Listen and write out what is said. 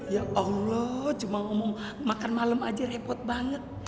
ya allah cuma ngomong makan malam aja repot banget